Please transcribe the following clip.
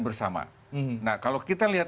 bersama nah kalau kita lihat